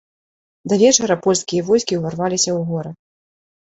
Да вечара польскія войскі ўварваліся ў горад.